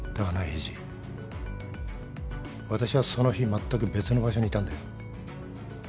エイジ私はその日まったく別の場所にいたんだよ。